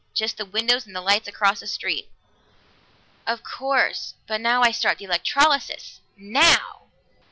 Just the windows and the lights across the street." "Of course. But now I start the electrolysis. Now!"